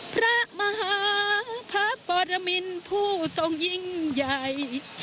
พระมหาพระปรมินผู้ทรงยิ่งใหญ่